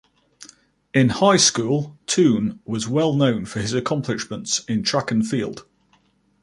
In high school Toon was well known for his accomplishments in track and field.